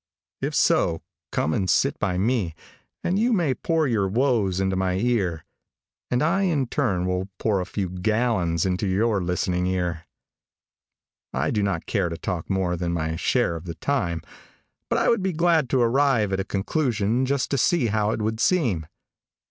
If so, come and sit by me, and you may pour your woes into my ear, and I in turn will pour a few gallons into your listening ear. I do not care to talk more than my share of the time, but I would be glad to arrive at a conclusion just to see how it would seem.